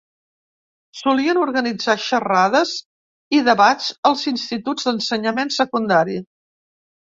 Solien organitzar xerrades i debats als instituts d'ensenyament secundari.